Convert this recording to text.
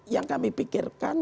yang kami pikirkan